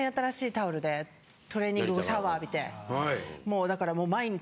トレーニング後シャワー浴びてもうだからもう毎日。